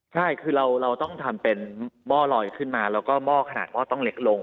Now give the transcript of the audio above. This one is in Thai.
ใช่คือเราต้องทำเป็นหม้อลอยขึ้นมาแล้วก็หม้อขนาดห้อต้องเล็กลง